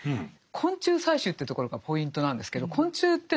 昆虫採集というところがポイントなんですけど昆虫ってね